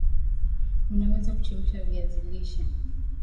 Unaweza Kuchemsha viazi lishe